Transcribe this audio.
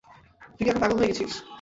তুই কি এখন পাগল হয়ে গেছিস?